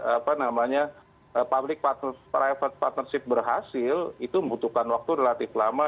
apa namanya public private partnership berhasil itu membutuhkan waktu relatif lama